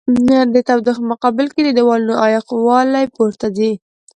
د تودوخې په مقابل کې د دېوالونو عایق والي پورته ځي.